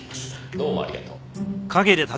どうもありがとう。